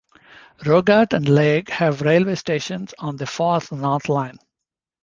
Rogart and Lairg have railway stations on the Far North Line.